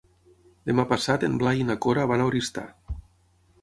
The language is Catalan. Demà passat en Blai i na Cora van a Oristà.